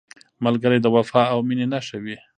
ملګری د وفا او مینې نښه وي